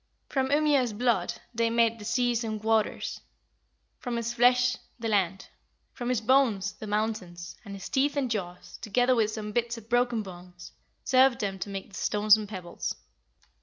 From Ymir's blood they made the seas and waters; from his flesh the land; from his bones the mountains; and his teeth and jaws, together with some bits of broken bones, served them to make the stones and pebbles."